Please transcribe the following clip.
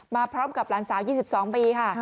มาพร้อมกับหลานสาว๒๒ปีค่ะ